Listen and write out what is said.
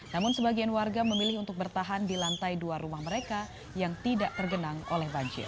namun sebagian warga memilih untuk bertahan di lantai dua rumah mereka yang tidak tergenang oleh banjir